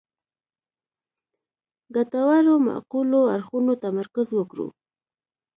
ګټورو معقولو اړخونو تمرکز وکړو.